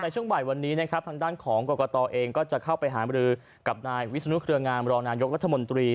ช่วงบ่ายวันนี้นะครับทางด้านของกรกตเองก็จะเข้าไปหามรือกับนายวิศนุเครืองามรองนายกรัฐมนตรี